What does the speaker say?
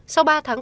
sau ba tháng